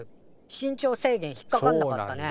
身長制限引っかかんなかったね。